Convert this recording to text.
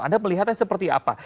anda melihatnya seperti apa